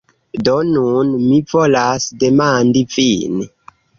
Do, nun mi volas demandi vin